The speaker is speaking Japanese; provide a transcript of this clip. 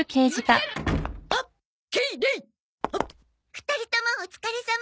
２人ともお疲れさま。